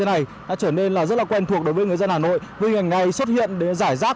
này đã trở nên là rất là quen thuộc đối với người dân hà nội hình ảnh này xuất hiện để giải rác